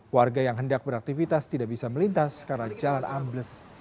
warga yang hendak beraktivitas tidak bisa melintas karena jalan ambles